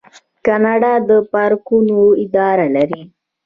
کاناډا د پارکونو اداره لري.